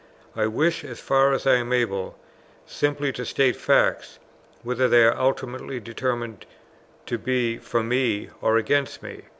I wish, as far as I am able, simply to state facts, whether they are ultimately determined to be for me or against me.